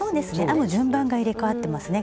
編む順番が入れかわってますね。